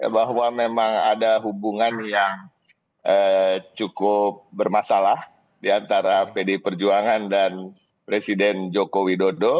bahwa memang ada hubungan yang cukup bermasalah diantara pdi perjuangan dan presiden joko widodo